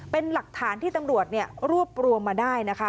เป็นหลักฐานที่ตำรวจรวบรวมมาได้นะคะ